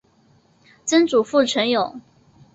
曾祖父陈友。